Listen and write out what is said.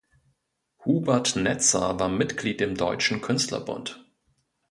Hubert Netzer war Mitglied im Deutschen Künstlerbund.